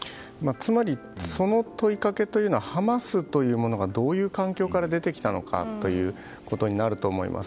つまりその問いかけというのはハマスというものがどういう環境から出てきたのかということになると思います。